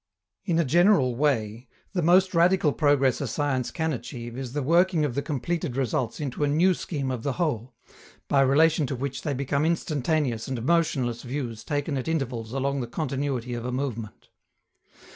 In a general way, the most radical progress a science can achieve is the working of the completed results into a new scheme of the whole, by relation to which they become instantaneous and motionless views taken at intervals along the continuity of a movement.